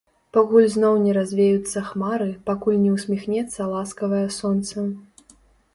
Пакуль зноў не развеюцца хмары, пакуль не ўсміхнецца ласкавае сонца.